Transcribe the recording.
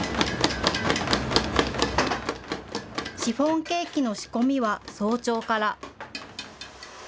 シフォンケーキの仕込みは早朝から。